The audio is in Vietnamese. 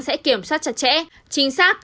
sẽ kiểm soát chặt chẽ chính xác